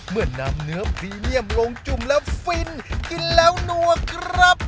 เมื่อนำเนื้อพรีเมียมลงจุ่มแล้วฟินกินแล้วนัวครับ